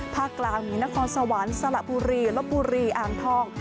กลางมีนครสวรรค์สละบุรีลบบุรีอ่างทอง